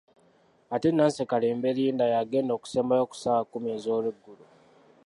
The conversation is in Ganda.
Ate Nancy Kalemba Linda y'agenda okusembayo ku ssaawa kumi ez'olweggulo.